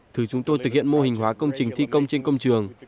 thứ chúng tôi thực hiện mô hình hóa công trình thi công trên công trường